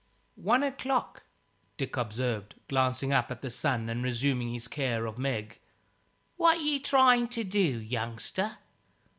"One o'clock," Dick observed, glancing up at the sun, and resuming his care of Meg. "What're ye trying to do, youngster?"